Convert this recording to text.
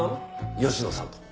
吉野さんと。